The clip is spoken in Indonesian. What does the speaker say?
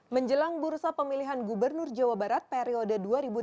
menjelang bursa pemilihan gubernur jawa barat periode dua ribu delapan belas dua ribu dua